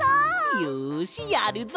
よしやるぞ！